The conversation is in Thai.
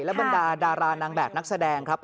บรรดาดารานางแบบนักแสดงครับ